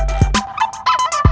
kau mau kemana